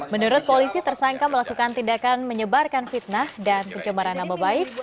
menurut polisi tersangka melakukan tindakan menyebarkan fitnah dan pencemaran nama baik